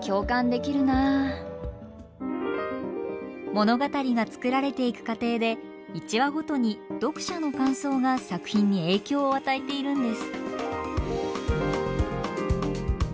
物語が作られていく過程で１話ごとに読者の感想が作品に影響を与えているんです。